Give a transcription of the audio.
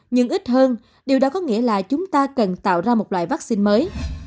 nhưng ít hơn điều đó có nghĩa là chúng ta cần tạo ra một loại vaccine mới